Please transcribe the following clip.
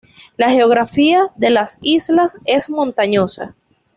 La geografía de las islas es montañosa.